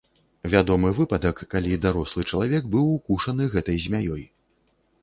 Вядомы выпадак, калі дарослы чалавек быў укушаны гэтай змяёй.